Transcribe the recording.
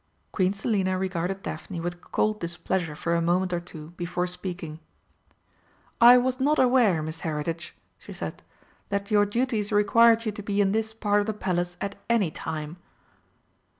Queen Selina regarded Daphne with cold displeasure for a moment or two before speaking. "I was not aware, Miss Heritage," she said, "that your duties required you to be in this part of the Palace at any time."